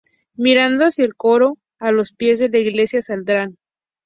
Mirando hacia el coro, a los pies de la iglesia, saldrán.